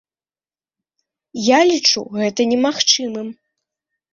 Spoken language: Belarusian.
Я лічу гэта немагчымым.